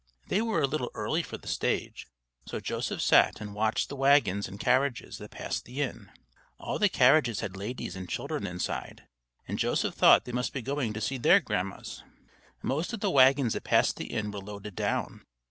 They were a little early for the stage, so Joseph sat and watched the wagons and carriages, that passed the inn. All the carriages had ladies and children inside, and Joseph thought they must be going to see their grandmas. Most of the wagons that passed the inn were loaded down.